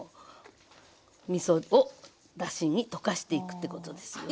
みそをだしに溶かしていくってことですよね。